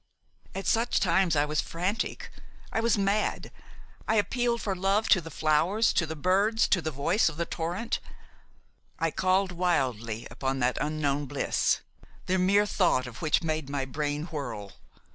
At such times I was frantic, I was mad. I appealed for love to the flowers, to the birds, to the voice of the torrent. I called wildly upon that unknown bliss, the mere thought of which made my brain whirl.